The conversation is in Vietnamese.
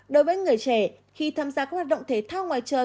đối với người trẻ khi tham gia các hoạt động thể thao ngoài trời